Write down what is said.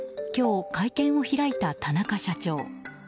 今日、会見を開いた田中社長。